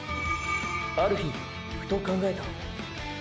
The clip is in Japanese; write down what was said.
ある日ふと考えた。